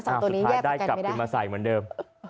สองตัวนี้แย่ประกันไม่ได้